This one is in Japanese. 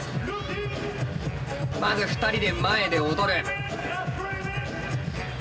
まず２人で前で踊る。